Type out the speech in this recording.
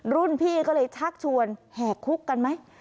รุ่นพี่ก็เลยชักชวนแห่คุกกันไหม